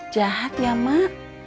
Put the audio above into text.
jahat ya mak